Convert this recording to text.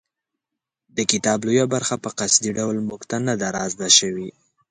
د کتاب لویه برخه په قصدي ډول موږ ته نه ده رازده شوې.